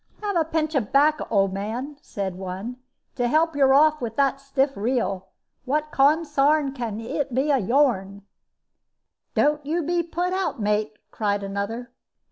"Have a pinch of 'bacco, old man," said one, "to help you off with that stiff reel. What consarn can he be of yourn?" "Don't you be put out, mate," cried another.